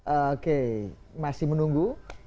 oke masih menunggu